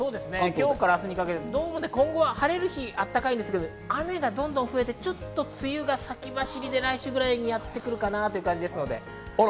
今日から明日にかけて、今後は晴れる日、あったかいんですけど、雨が増えて梅雨が先走りで来週ぐらいにやってくるかなという感じです。